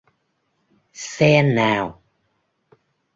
Xe nào